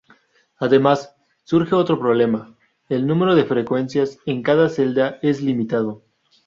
Además, surge otro problema: el número de frecuencias en cada celda es limitado.